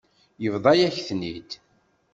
Yebḍa-yak-ten-id.